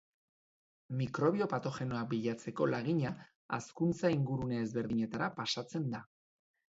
Mikrobio patogenoak bilatzeko lagina hazkuntza-ingurune ezberdinetara pasatzen da.